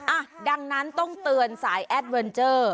อ่ะดังนั้นต้องเตือนสายแอดเวนเจอร์